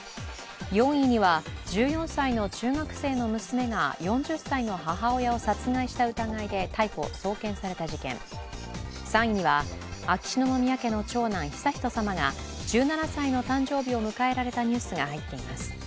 ４位には１４歳の中学生の娘が４０歳の母親を殺害した疑いで逮捕・送検された事件、３位には秋篠宮家の長男、悠仁さまが１７歳の誕生日を迎えられたニュースが入っています。